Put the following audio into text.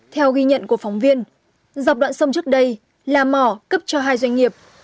theo ghi nhận của phóng viên dọc đoạn sông trước đây là mỏ cấp cho hai doanh nghiệp